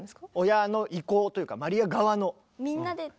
親の意向というかマリア側の。